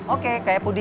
oke kayak puding